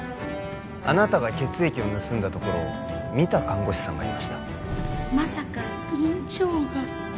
あなたが血液を盗んだところを見た看護師さんがいましたまさか院長が